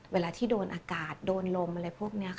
เวลาที่โดนอากาศโดนลมอะไรพวกนี้ค่ะ